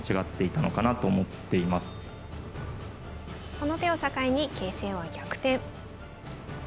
この手を境に形勢は逆転。